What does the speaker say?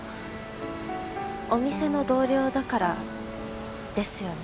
お店の同僚だからですよね